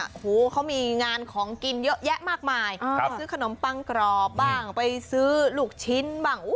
โอ้โหเขามีงานของกินเยอะแยะมากมายไปซื้อขนมปังกรอบบ้างไปซื้อลูกชิ้นบ้าง